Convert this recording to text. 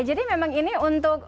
jadi memang ini untuk